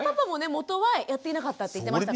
元はやっていなかったって言ってましたから。